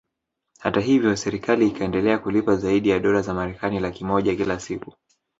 Hata hivyo serikali ikaendelea kulipa zaidi ya dolar za Marekani laki moja kila siku